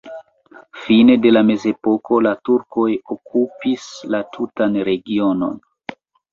Fine de la mezepoko la turkoj okupis la tutan regionon.